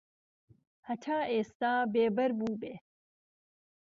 هەتا ئێستا بێبەر بووبێ